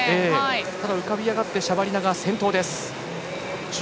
ただ、浮かび上がってシャバリナ先頭です。